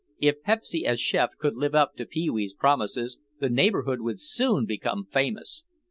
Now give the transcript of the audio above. If Pepsy as chef could live up to Pee wee's promises the neighborhood would soon become famous.